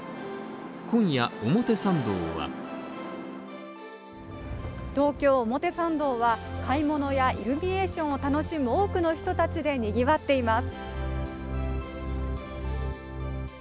今夜、表参道は東京表参道は買い物やイルミネーションを楽しむ多くの人たちで賑わっています。